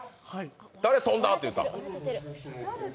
誰、飛んだと言ったの。